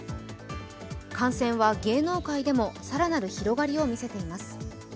感染は芸能界でも更なる広がりをみせています。